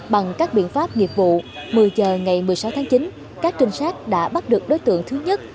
bằng các biện pháp nghiệp vụ một mươi giờ ngày một mươi sáu tháng chín các trinh sát đã bắt được đối tượng thứ nhất